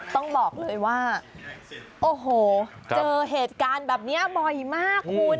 ต้องบอกเลยว่าโอ้โหเจอเหตุการณ์แบบนี้บ่อยมากคุณ